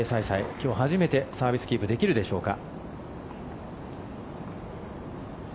今日初めて、サービスキープできるでしょうか。